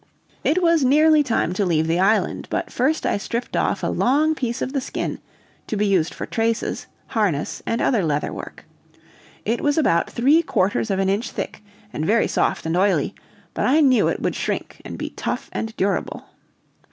It was nearly time to leave the island, but first I stripped off a long piece of the skin, to be used for traces, harness, and other leather work. It was about three quarters of an inch thick, and very soft and oily but I knew it would shrink and be tough and durable.